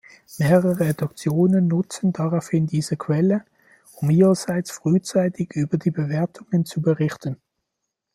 Mehrere Redaktionen nutzten daraufhin diese Quelle, um ihrerseits frühzeitig über die Bewertungen zu berichten.